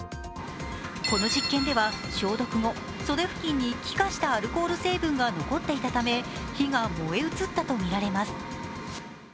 この実験では消毒後、袖付近に気化したアルコール成分が残っていたため火が燃え移ったとみられます。